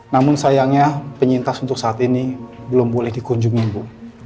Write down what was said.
namun sayangnya penyintas untuk saat ini belum boleh dikunjungi bu